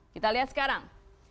kita lihat sekarang